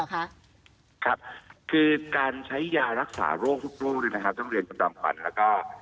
ครับคือการใช้ยารักษาโรคทุกเลยนะครับต้องเรียนคำตอบความแล้วก็